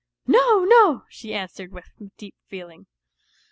" No, no !" she answered with deep feeling.